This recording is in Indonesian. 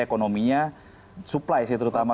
ekonominya suplai sih terutama